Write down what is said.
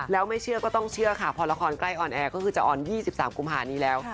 แล้วไม่เชื่อก็ต้องเชื่อค่ะพอละครใกล้ออนแอร์ก็คือจะออน๒๓กุมภานี้แล้ว